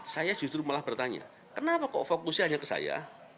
saya justru malah bertanya kenapa kok fokusnya hanya ke saya